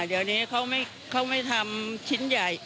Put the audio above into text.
เดี๋ยวนี้เขาไม่ทำชิ้นใหญ่